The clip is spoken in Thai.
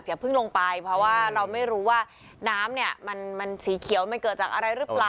เพิ่งลงไปเพราะว่าเราไม่รู้ว่าน้ำเนี่ยมันสีเขียวมันเกิดจากอะไรหรือเปล่า